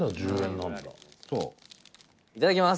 玉森：いただきます！